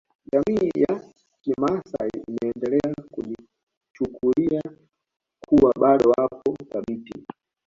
Jamii ya kimaasai imeendelea kujichukulia kuwa bado wapo thabiti